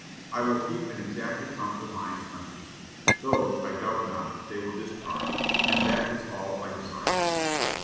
I will keep an exact account of my expenses. Those, I doubt not, they will discharge, and that is all I desire."